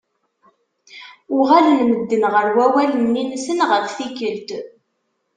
Uɣalen medden ɣer wawal-nni-nsen ɣef tikelt.